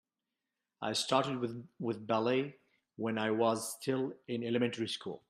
I started with ballet when I was still in elementary school.